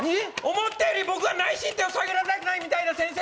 思ったより僕は内申点を下げられたくないみたいだ先生